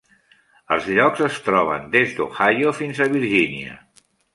Els llocs es troben des d'Ohio fins a Virgínia.